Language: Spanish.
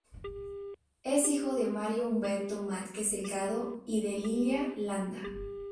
Es hija de Mario Humberto Márquez Delgado y de Lilia Landa.